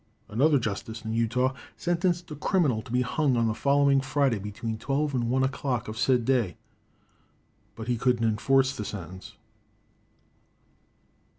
Another justice in Utah sentenced a criminal to be hung on the following Friday between twelve and one o'clock of said day, but he couldn't enforce the sentence.